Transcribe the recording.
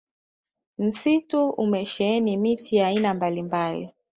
msitu umesheheni miti ya aina mbalimbali